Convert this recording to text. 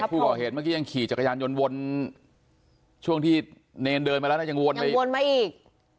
ผู้ก่อเหตุเมื่อกี้ยังขี่จักรยานยนต์วนช่วงที่เนรเดินมาแล้วนะยังวนไปวนมาอีก